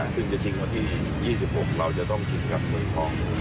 ซึ่งจะชิงวันที่๒๖เราจะต้องชิงกับมือทอง